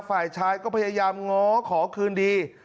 ฝ่ายชายก็พยายามง้อขอคืนดี